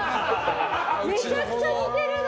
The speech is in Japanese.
めちゃくちゃ似ているの。